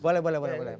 boleh boleh boleh